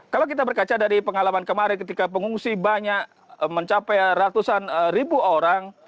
kalau kita berkaca dari pengalaman kemarin ketika pengungsi banyak mencapai ratusan ribu orang